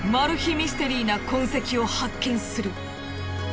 ミステリーな痕跡を発見する。